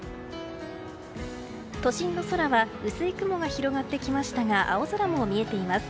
都心の空は薄い雲が広がってきましたが青空も見えています。